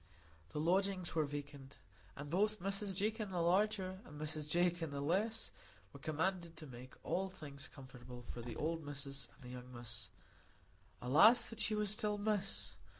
The lodgings were vacant, and both Mrs Jakin the larger and Mrs Jakin the less were commanded to make all things comfortable for "the old Missis and the young Miss"; alas that she was still "Miss!"